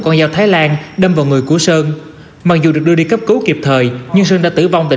con dao thái lan đâm vào người của sơn mặc dù được đưa đi cấp cứu kịp thời nhưng sơn đã tử vong tại